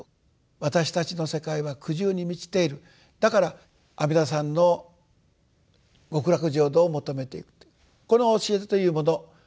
私たちの世界は苦渋に満ちているだから阿弥陀さんの極楽浄土を求めていくとこの教えというもの